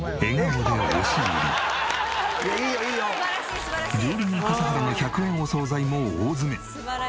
料理人笠原の１００円お惣菜も大詰め！